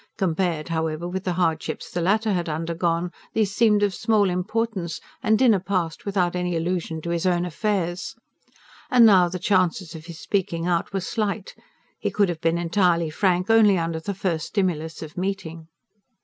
Compared, however, with the hardships the latter had undergone, these seemed of small importance; and dinner passed without any allusion to his own affairs. And now the chances of his speaking out were slight; he could have been entirely frank only under the first stimulus of meeting.